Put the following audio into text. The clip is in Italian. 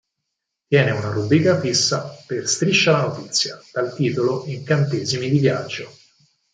Tiene una rubrica fissa per "Striscia la notizia", dal titolo "Incantesimi di viaggio".